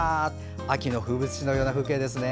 秋の風物詩のような風景ですね。